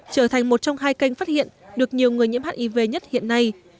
trở thành một trong hai kênh phát hiện được nhiều người nhiễm hiv nhất hiện nay